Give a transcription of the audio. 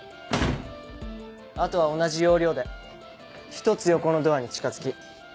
あとは同じ要領で１つ横のドアに近づき